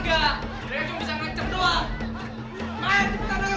kamu bisa mengecek doang